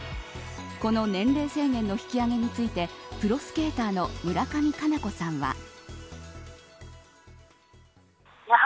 この年齢制限の引き上げについてプロスケーターの村上佳菜子さんは。